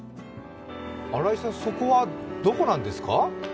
新井さん、そこはどこなんですか？